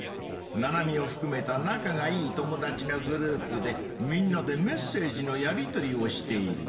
ナナミをふくめた仲がいい友達のグループでみんなでメッセージのやり取りをしている。